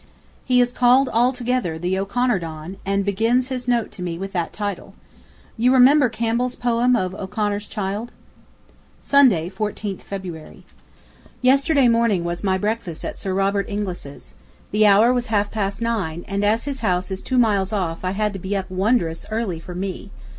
He is called altogether the O'Connor Don, and begins his note to me with that title. You remember Campbell's poem of "O'Connor's Child"? Sunday, 14th February. ... Yesterday morning was my breakfast at Sir Robert Inglis's. The hour was halfpast nine, and as his house is two miles off I had to be up wondrous early for me.